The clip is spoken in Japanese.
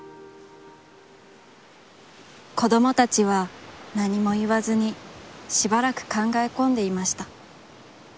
子どもたちは、なにも言わずに、しばらくかんがえこんでいました。